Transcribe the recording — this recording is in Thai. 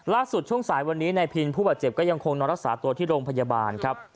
ช่วงสายวันนี้นายพินผู้บาดเจ็บก็ยังคงนอนรักษาตัวที่โรงพยาบาลครับ